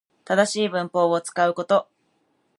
正しい文法を使うこと